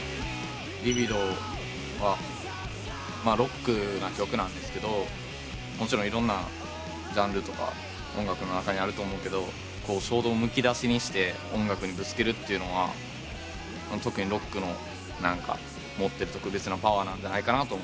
『リビド』はロックな曲なんですけどもちろんいろんなジャンルとか音楽の中にあると思うけど衝動をむき出しにして音楽にぶつけるというのが特にロックの持ってる特別なパワーなんじゃないかなと思って。